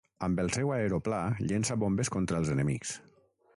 Amb el seu aeroplà llença bombes contra els enemics.